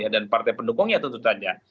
dan partai pendukungnya tentu saja